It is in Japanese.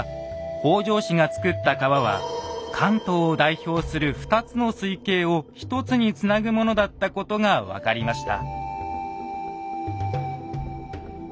北条氏が造った川は関東を代表する２つの水系を１つにつなぐものだったことが分かりました。